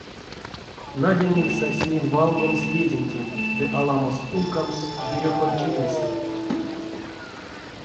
Надянень сась мель валгомс ведентень ды аламос пулькамс берёконть чиресэ.